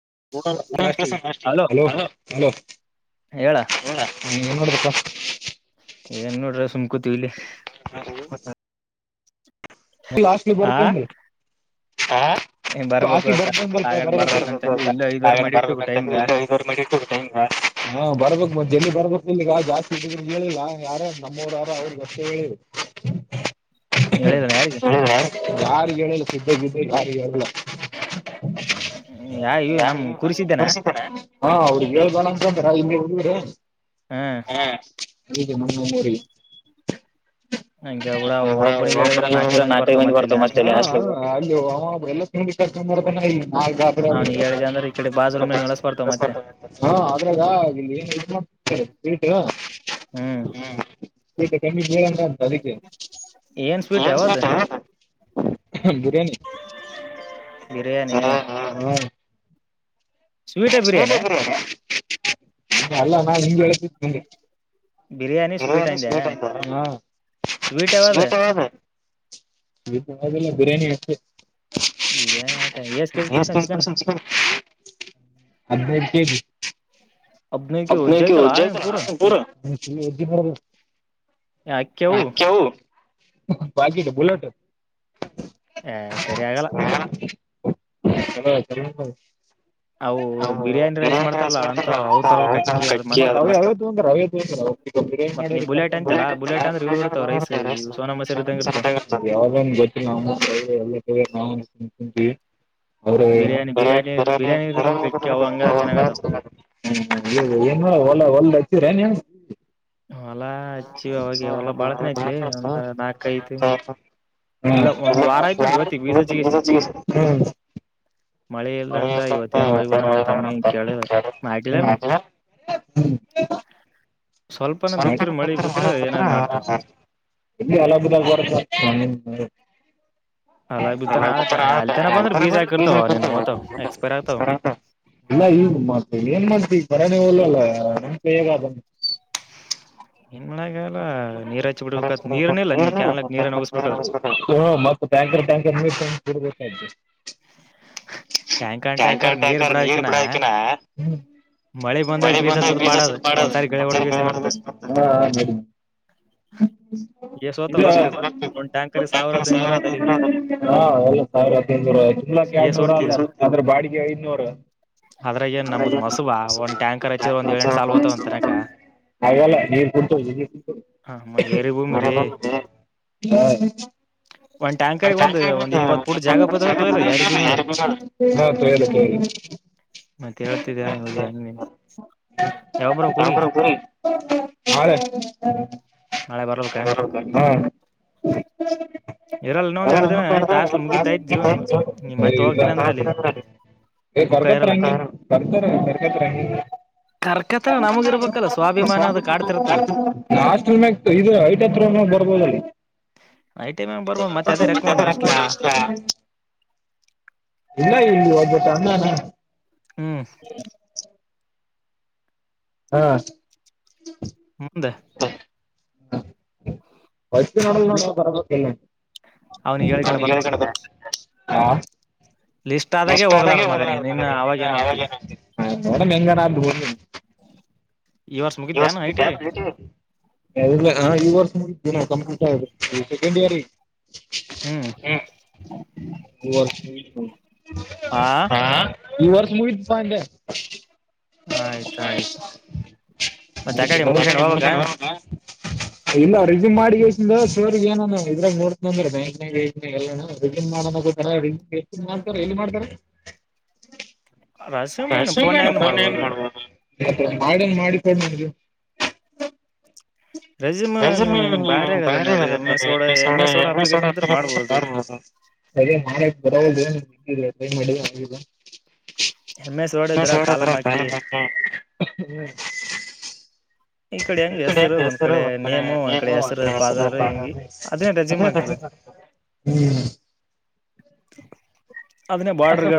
ಏನ್ ಮಾಡತೀಪ ಏನ್ ನೋಡ್ರಿ ಸುಮ್ಕೂತಿವಿ ಇಲ್ಲೇ [unintelligible] ಲಾಸ್ಟ್ಲಿ ಬರ್ತೇಂದ್ರ ಹಿ ಬರ್ಬೇಕಂದ ಬರ್ಬೇಕ ಬರ್ಬೇಕ [unintelligible] ಜನ ಬರ್ಬೇಕ ಇಗ ಜಾಸ್ತಿ ಇದ್ದಿದ ಹೇಳಿಲ್ಲಾ ಯಾರ ನಮ್ಮವರು ಯಾರ ಅವ್ರಗಷ್ಟೇ ಹೇಳಿವೆ ಹೇಳಿದಣ ಯಾರಿಗೆ ಯಾರಿ ಹೇಳಿಲ್ಲ ಸಿದ್ದ ಬಿದ್ದ ಯಾರಿಗೆ ಹೇಳಿಲ್ಲ [unintelligible] [unintelligible] ಹಾ ಹರಿ ಹಂಗೆ ಕೂಡ ಒಬ್ಬನಿಗೆ ಹೇಳಿದ್ರ ನಾಕ ನಾಲ್ಕೈ ಮಂದಿ ಬರ್ತವೆ ಮತ್ತದ್ರ ಬಟ ಹ್ಮ್ ಇಗ ಅದಕ್ಕೆ ಬಿರಿಯಾನಿ ಹಾ ಹಾ ಹ್ಮ್ ಸುನತ ಬ ಅಲ್ಲ ನಾನ್ ಹಂಗ ೆ ಇ ಸ್ಟ ಆ ಸ್ೀಟ್ ಹ ವಿ ಎಲ್ಲ ಬಿರಾನಿ ಹ ಬಿರಿಯಾನಿ ಆಟಾ ಎಷ್ಟ ಕೆಜಿ ಕುಡಸನ್ ಚಿಕನ್ ಅಕ್ಕೆತ ಪೂ ಕವು ಬಕಿ ಬುಲೆಟ್ ಹ ಸರಿಯಾಗಲ್ಲ ಹ ಚಲ ಚ ಅವರ್ ಗೊ ನವಿ ಅವ್ರರರ ಹ್ಮ ಏನ್ ಹೊ ಹೊಲ್ ಹಚ್ಚರ ನ್ ಹೊಲಾ ಹಚ್ಚಿವ ಅವಾಗ ಹೊಲ ಬಾಳತನ ಐತ್ಲಿ ಒಂದ ನಾಕಐದು ಹ್ಮ್ ಯ ಚ ಚ ್ ಅಲ್ಲ ಬಿ ಅತನ ಬಂದ್ರ ಬೀಜ ಹಾಿರ್ತವ ನ ನೀನ್ ಓ್ತ ಎಕ್ಸ್ಪ ಹ ಎಲ್ಲ ಈ ಮಾಡ್ತವಿ ಏನ್ ಮಾಡ್ತಿ ಈಗ ಬರಾನೆ ಹಲ್ಲ ನಮೇಗ ಮತ್ತ ಟ್ಯಾಂಕರ್ ಟ್ಯಾಂಕರ್ಬೇಕ ಸಡ್ಜಸ್ಟ್ ಟ್ಯಾಂಕ ಟ್ಯಾಕರ್ ನೀರ್ ಬಿಡಕಿನ ಬಳಿ ಬಂದಾಗ [unintelligible] [unintelligible] ಮೂಲಕ ಎರಡ್ನೂರ ಅ ಅದ್ರ ಬಾಡಿಗೆ ಐನೂರ ಹಾಗಲ್ಲ ನೀರ್ ಕುಡ್ತ ಹ ಏರಿ ಭೂಮಿ ರೀ ಒಂದ್ ಟ್ಯಾಂಕರ್ಗ ಒಂದ್ ಒಂದ್ ಇಪ್ಪತ್ ಪುಟ್ ಜಾಗ ಬದ [unintelligible] [unintelligible] [unintelligible] [unintelligible] ಹಾಸ್ಟಲ್ ಮ್ಯಾಗ ಇದ ಐಟ್ ಹತ್ರ ಬರ್ಬೋದಲ್ ಇಲ್ಲ ಇ [unintelligible] ಹ್ಮ್ ಹಾ ಮುಂದ [unintelligible] ವಟ್ ನೋಡಲ್ ನೋಡೋ ಬರ್ಬೆಕ್ ಇಲ್ಲಿ [unintelligible] ಲಿಸ್ಟ್ ಆದಾಗೆ ಹೋಗ್ಲಾರದ ಮಗ ನಿನ್ ಇನ್ನ ಅವಾಗ ಏನ್ ಹೋಗ್ತಿ ನೋಡಂ ಹೆಂಗ್ ಅರಾ ಆಗ್ಲಿ [unintelligible] ಸೆಕೆಂಡ್ ಇಯರ್ ಈಗ್. ಹಂ ಹಾ ಈ ವರ್ಷ ಮುಗಿತ್ಪಾ ಅಂದೇ. [unintelligible] ಆಯ್ತಾಯ್ತ ಮತ್ತೆ ಎಕಾಡಿ ಮುಗಸ್ಕಂಡ್ ಹೋಗ್ಬೇಕಾ. ಇಲ್ಲ ರಿಸ್ಯಮ್ ಮಾಡಿಕೇಶಿಂದು ಸರ್ ಗ ಏನ ಇದ್ರಗ ನೋಡ್ತೇನ ಅಂದಾರ್ ಬ್ಯಾಂಕ್ನಾಗ್ ಗಿಂಕ್ನ್ಯಾಗ್ ಎಲ್ಲಿ ಅರಾ [unintelligible] ಎಲ್ಲಿ ಮಾಡ್ತಾರೆ. [unintelligible] ಮಾಡನ್ ಮಾಡಿಕೊಡ ನಂಗೂ. [unintelligible] [unintelligible] ಇಲ್ಲೇ ಪಿ ಮಿಡಲ್ ಹಂಗೆ ಇದ [unintelligible] ಈ ಕಡೆ ಹೆಸರು ಒಂದ್ ಕಡೆ ನೇಮ್ ಒಂದ್ ಕಡೆ ಹೆಸರು [unintelligible] ಹ್ಮ [unintelligible]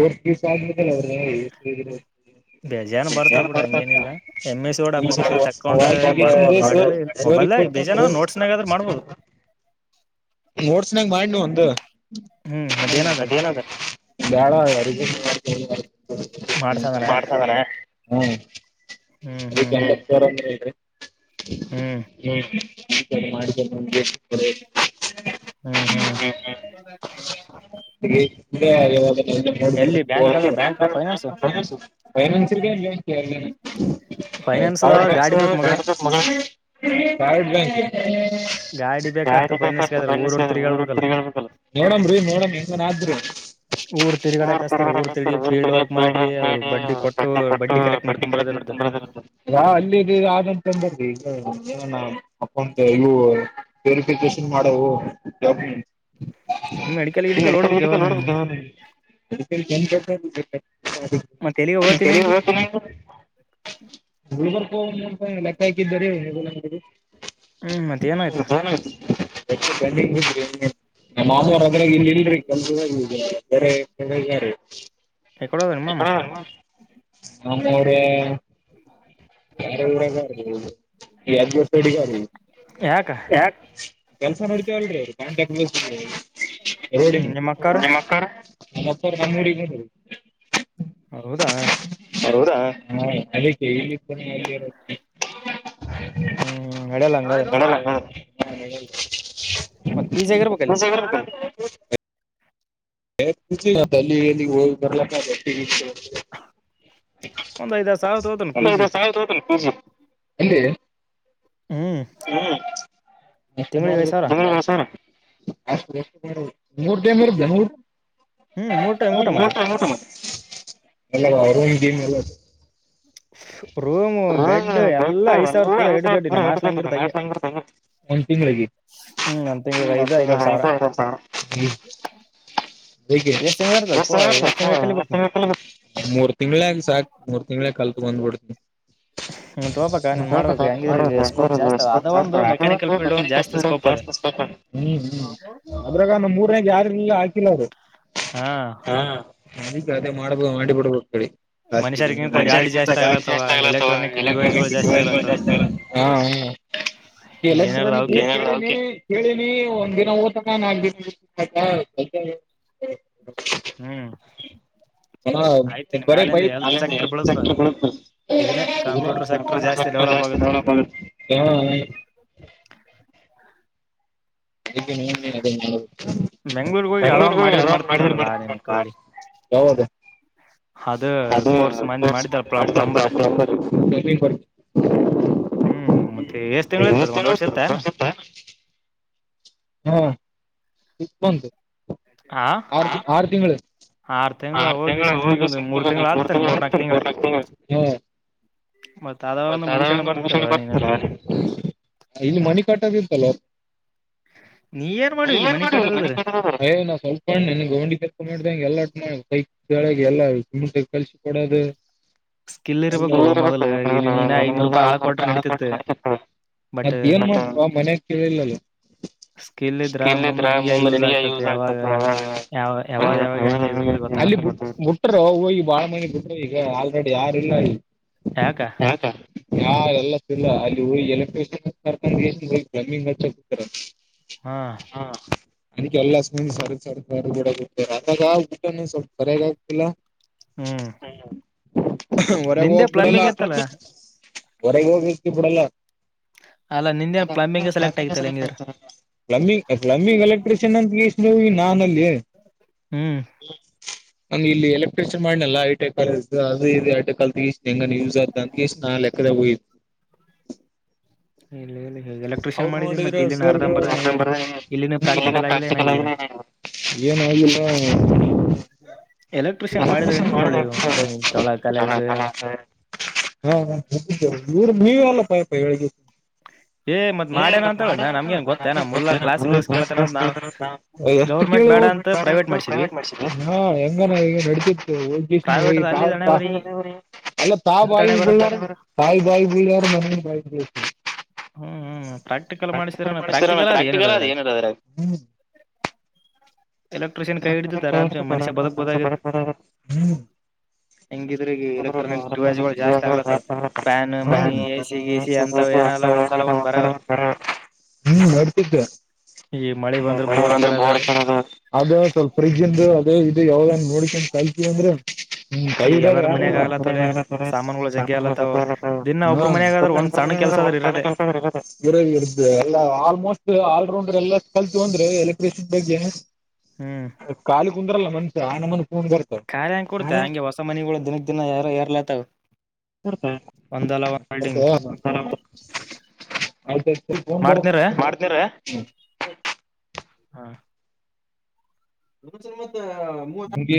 ಹ್ಮ್ [unintelligible] ಹೇಗಿದೆ ಬೇಜಾನ ಬರ್ತಾವ ಬಿಡ ಹಂಗೇನಿಲ್ಲಾ ಎಮ್ ಎಸ್ ವರ್ಡ್ ಅಪ್ಲಿಕೇಶನ್ ತಕೊಂಡ ಮಾಡ್ಬೋದು ಮಾಡಿದ್ರೆ ಮೊಬೈಲ್ದಾಗ ಬೇಜಾನ ನೋಟ್ಸ್ನಾಗ ಆದ್ರ ಮಾಡ್ಬೋದು. ನೋಡ್ಸನಾಗ ಮಾಡ್ ನ ಒಂದು ಹ್ಮ್ ಮತ್ತ ಏನದ ಬ್ಯಾಳ ಒರಿಜಿನಲ್ [unintelligible] ಹ್ಮ ಮಾಡ್ತದರೆ ಹ್ಮ್ [unintelligible] ಹೇಳ್ರಿ ಹ್ಮ ಈ ಕಡೆ ಮಾಡಿದೆ ಮುಂದೆ ಕಡೆ. [unintelligible] ಫೈನಾನ್ಸ್ ಗೆ [unintelligible] [inaudible] ಪೈಡ್ ಬ್ಯಾಂಕ್ಸ್ [unintelligible] ಪೈಡ್ ಬ್ಯಾಂಕ್ [unintelligible] ಗಾಡಿ ಬೇಕಾತ್ತು ಫೈನಾನ್ಸ್ ಗಾದ್ರು ನೋಡಮ್ರಿ ನೋಡಮ್ ಹೆಂಗಾನ ಆದ್ರು ಈಗ ಅಲ್ಲಿಗಿ ಆಗಂತಂದಾರಿ ಈಗ್ ಅಪ್ ಅಂತ್ ಇವು ವೆರಿಫಿಕೇಶನ್ ಮಾಡ್ ತವು [unintelligible] ಇನ್ನು ಹಿಡ್ಕಲ್ ಹಿಟಿಕಲ್ ನೋಡ್ಬೇಕ್ [unintelligible] ಗುಲ್ಬರ್ಗ್ ಕ್ಕ್ ಹೋಗುಮು ಅಂತ ಲೆಕ್ಕ ಹಾಕಿ ಬರಿ [unintelligible] ಎಕ್ಸ್ಟ್ರಾ ಪೆಂಡಿಂಗ್ ಹಿದ್ರಿ ನಮ್ಮ ಮಾಮರ ಆದ್ರಾಗ್ ಇಲ್ಲಿಲ್ರಿ ಕೆಲ್ಸದಾಗಿಗ. ಯಾರ ಹೇ [unintelligible] ಆಗ್ಯಾರಿ. ಎಕ್ಕಡ ಹೋಗ್ಯಾನ್ ಮಾಮ ನಮ್ಮುರೆ [unintelligible] ಎಗ್ಗ್ ಯಾಕ್ ಎಂ ಸ್ಯಾಂಡ್ ಹೊಡಿತಿವಲ್ರಿ ಕಾಂಟಾ [unintelligible] ರೋಡಿನವ್ ಹ ಎಂಬತ್ತ್ ಸಾವ್ರ. ಮತ್ತ ನ ಮೂಡಿ ಮೂಡಿ ಬರೋರಾ ಅಕ್ಕೆ [inaudible] ಹ್ಮ್ ನಡೆಯಲ್ಲ ಹಂಗಾದ್ರ ಹಾ ಹೇಳ ಮಸಗ ಹ ಅಲ್ಲಿ ಎಲ್ಲಿ ಹೋಗಿ ಬರ್ಲಕ್ಕಟ್ಟ ಒಂದ್ ಐದ ಸಾವಿರ ಇಲ್ಲ ಹ ಅಲ್ಲಿ ಹ್ಮ್ ಮೆ ಮಾಡಬೇಕು ಬಂದ ಸರ ಅಷ್ಟ ಮೂರ್ ಟೈಮ್ ಇರುದಾ ನೂರು ಹ ಇತ ಹತ ಮನೆ ಎಲ್ಲ ರೂಮ್ ಗೇಮ್ ಎಲ್ಲ ಗೆ ಮೂರ್ ತಿಳ ಸಾಕ ಮೂರ್ ತಿಳಲ್ ತಗೊ್ಬಿಡ್ತನಿ ಅದ್ರಾಗ ನಮ್ಮ್ರನ ಯಾರ ಹಾಕಿಲ್ಲ ಅವರು ಅದಗ ಅದೇ ಮಾಡಬ ಮಾಡಿ ಬಿಡ್ಬ ಕಿ ಮನುಷ್ಯರಿಗಿಂತ ಗಾಡಿ ಜಾಸ್ತಿ ಗಾಡಿ ಜಾಸ್ತಿ ಆಗ್ ಅವಾ ಎಲೆಕ್ಟ್ರಾನಿಕ್ ಜಾಸ್ತಿ ಆ ಹ ಎಲೆಕ್ಟ್ರಿಕ್ ಒಂದ್ ದಿನ ಊತ ನಾಲ್ಕ ದಿನ ಅ ಬರ ಭ ಸ ಜಾಸ್ತಿ ರ ಬೊ ಯದು ಅ ಕೋ ಮಾಡ್ತ ಹ ಬಂದು ಆರು ತಿಂಗಳು ಆರು ತಿಂಗಳು ಹಿವ ಮೂರು ತಿಂಗಳು ಆತ ಮೂರ್ಕು ತಿಗಳು ಮತ್ತರ ಬರ್ತಾರ ಇಲ್ಲಿ ಮಣಿ ಕಾಟದ ಇದ್ದಲ್ವಾ ಯ ನಾ ಸ್ವಲ್ಪಣ್ಣ ನಿನ್ಗೆ ಗಂಡಿರ್ಕೊಂಡ ಮಾಡ್ದಂಗೆ ಎಲ್ಲ ಟ ಮಾಡ ಸೈ ಕೆಳಗೆ ಎಲ್ಲಮೂಟೆಗೆ ಕಲ್ಸ ಕೊಡೋದು ಸ್ಕಿಲ್ ಇರ್ಬೇಕು ಮೊದಲ್ [unintelligible] [inaudible] ಆಲ್ರೆಡಿ ಯಾರ ಇಿಲ್ಲ ಯಾಕ ಹ ಯಾ ಎಲ್ಲ ಸಿಲ್ಲ ಅಲ್ಲಿ ಹೋಗಿ ಎಲೆಕ್ಟ್ರಿಯನ್ ಕರ್ಕೊಂಡ್ [unintelligible] ಹಾ [unintelligible] ಊಟನ ಸ್ವಲ್ಪ ಸರಿಯಾಗ ಆಗ್ತಿಲ್ಲ ಹ್ಮ್ ಹೊರಗೆ ಹೋಗ್ಬಿಡಲ್ಲ ಸ [unintelligible] ಹೊರಗೆ ಹೋಗಕ್ ಬಿಡಲ್ಲ [unintelligible] ಪ್ಲಂಬಿಂಗ್ ಎಲೆಕ್ಟ್ರಿಷಿಯನ್ [unintelligible] [unintelligible] ನ ಈ ನಾನಲ್ಲಿ ಕನ್ [unintelligible] ಹಂಗ ಇಲ್ಲಿ ಎಲೆಕ್ಟ್ರಿಷನ್ ಮಾಡನಲ್ಲಾ ಐಟಿ ಕಲೇಜ್ ದು ಅದು ಇದೆ ಐಟ [unintelligible] ಕಲ್ ಹೆಂಗ ಗಗೆೇಶ ನಾಲ್ಲ [unintelligible] ಅವರು ನೋಡಿದ್ರ ಸರ್ [unintelligible] ಏನಾಗಿಲ್ಲ [unintelligible] ಹ ಹೇಳಗ್ಿ [unintelligible] [inaudible] ನ ಅಲ್ಲ ತಾ [unintelligible] ಬಾಯ ತಾಯ್ [unintelligible] ಬಾಯಳ್ಳ ಮನ ಬ [unintelligible] ಹ್ಮ್ ಹ್ಮ್ ಪ್ರಾಕ್ಟಿಕಲ್ ಮಾಡಸಿದ್ರ ಪ್ರಾಕ್ಟಿಕಲ್ ಅ ಏನ್್ರ ಎಲೆಕ್ಟ್ರಿಷನ್ ಕೈ ಹಿಡ ಆರಾಮ್ಸ ಮನುಷ್ಯ ಬದ್ಕಬಹುದಾ ಹೆಂಗಿದ್ರ ಎಲೆಕ್ಟ್ರಾನಿಕ್ ಜಾಸ್ತಿ ಆಗ್ಲತ್ತ ಫ್ಯಾನ್ ಮನಿ ಎಸಿ ಗಿಸಿ ಅಂತ ಏನ [unintelligible] ಒಂದ್ ಬರ [unintelligible] ಹಾ ಹ್ಮ್ ಬರ್ತಿದ್ದ ಅ [unintelligible] ಸ್ವಲ್ಪ ಫ್ರಿಜ ಇಂದು ಇ ಇದು ಯಾವನ್ ನೋಡ್ಕೊಂಡ ಕಲ್ತೀವ ಅಂದ್ರೆ ಈಗ ಎಲ್ಲರ ಮನ್ಯಾಗ ಆಗ್ಲತ್ತವಳ ಸಾಮಾನುಗಳು ಜಗ್ಗಿ ಆಲತ್ತಾವ ದಿನ ಒಬ್ಬ್ರ ಮನ್ಯಾಗ ಆದ್ರರು ಒಂದ್ ಸಣ್ಣ ಕೆಲ್ಸ ಆದ್ರ ಇರದೆೇ ಎತ ಅಲ್ಲ ಆಲ್ಮೋಸ್ಟ್ ಆಲ್ ರೌಂಡ್ ಎಲ್ಲಾ ಕಲ್ತು ಬಂದ್ರೆ [unintelligible] ಕಷ ಬಗೆಸ್ [unintelligible] ಕಾಲಿ ಕುಂದ್ರಲ್ಲ [unintelligible] ಕಾರ ಹಂಗ ಕೊಡ್ತ ಹಂಗೆ ಹೊಸ ಮನಿಗಳು ದಿನಕ್ಕ ದಿನ ಎಲ್ಲಾ ಏರ್ಲತವ ಬರ್ತ ಆಯ್ತ ಬ [unintelligible] ಮಾಡ್ತೀರಾ ಹ [unintelligible]